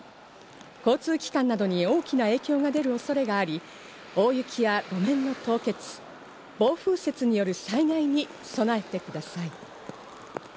交通機関などに大きな影響が出る恐れがあり、大雪や路面の凍結、暴風雪による災害に備えてください。